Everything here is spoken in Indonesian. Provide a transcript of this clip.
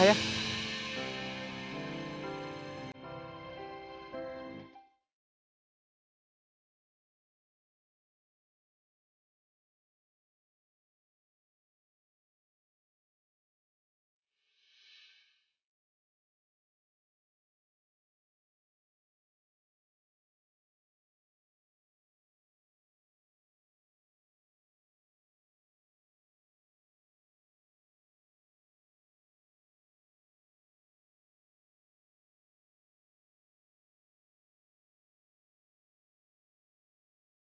iya pak aku mau